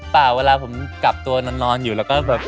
เปล่าเวลาผมกลับตัวนอนอยู่แล้วก็แบบ